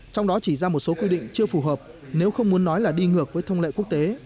trong đó chỉ ra một số quy định chưa phù hợp nếu không muốn nói là đi ngược với thông lệ quốc tế